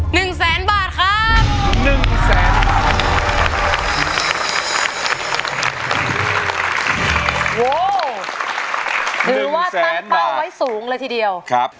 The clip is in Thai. หนึ่งแสนบาทครับว้าวหรือว่าตั้งเป้าไว้สูงเลยทีเดียวครับ